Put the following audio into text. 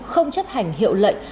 không chấp hành hiệu lệnh